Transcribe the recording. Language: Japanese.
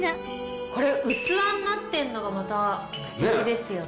これ器になってるのがまたすてきですよね。